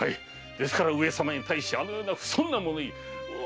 ですから上様に対しあのような不遜な物言い。